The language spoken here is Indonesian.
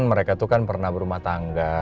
mereka itu kan pernah berumah tangga